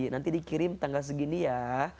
nanti dikirim tanggal segini ya